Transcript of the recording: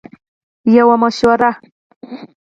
- یوه مشوره 💡